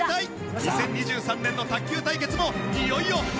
２０２３年の卓球対決もいよいよ大詰め！